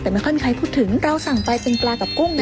แต่ไม่ค่อยมีใครพูดถึงเราสั่งไปเป็นปลากับกุ้ง